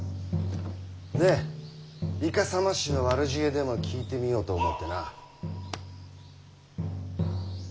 でイカサマ師の悪知恵でも聞いてみようと思うてな。